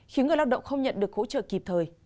khiến người lao động không nhận được hỗ trợ kịp thời